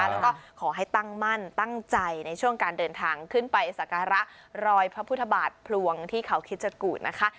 แล้วก็ขอให้ตั้งมั่นตั้งใจในช่วงการเดินทางขึ้นไปสักการะรอยพระพุทธบาทพลวงที่เขาคิดจกูธนะคะ